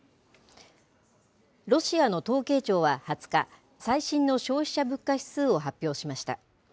ロシアの統計庁は２０日、最新の消費者物価指数を発表しました。